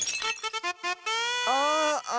ああ。